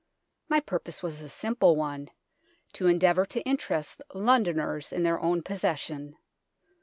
My purpose was a simple one, to endeavour to interest Londoners in their own possession.